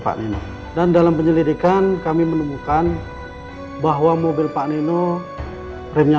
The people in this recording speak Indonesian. pak nino dan dalam penyelidikan kami menemukan bahwa mobil pak nino remnya